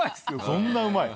そんなうまい？